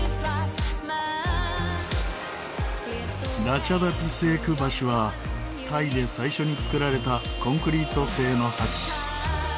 ラチャダピセーク橋はタイで最初に造られたコンクリート製の橋。